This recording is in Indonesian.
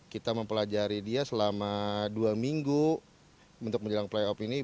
kita mempelajari dia selama dua minggu untuk menjelang playoff ini